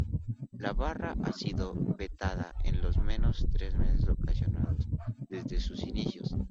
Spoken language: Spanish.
La barra ha sido vetada en al menos tres ocasiones desde sus inicios.